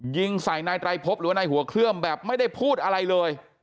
ยิงใส่นายไตรพบหรือว่านายหัวเครื่องแบบไม่ได้พูดอะไรเลย